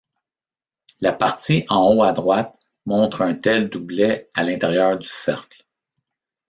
La partie en haut à droite montre un tel doublet à l'intérieur du cercle.